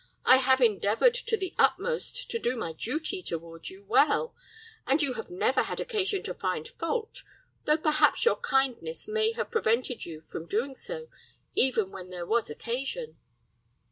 I have endeavored to the utmost to do my duty toward you well, and you have never had occasion to find fault; though perhaps your kindness may have prevented you from doing so, even when there was occasion."